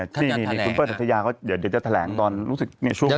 ที่มีในคุณเปิ้ลธัทยาเดี๋ยวจะแถลงตอนรู้สึกช่วงนี้